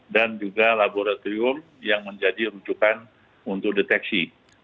dan juga laboratorium yang menjadi rujukan untuk deteksi